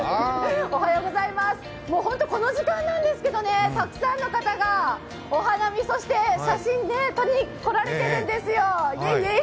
この時間なんですけど、たくさんの方がお花見、そして写真を撮りに来られているんですよ。